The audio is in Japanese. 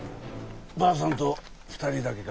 ばあさんと２人だけか？